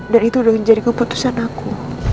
dan itu udah menjadi keputusan aku